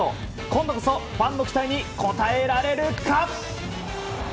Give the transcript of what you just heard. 今度こそファンの期待に応えられるか。